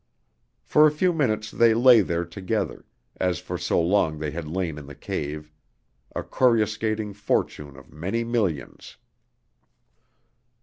For a few minutes they lay there together, as for so long they had lain in the cave a coruscating fortune of many millions.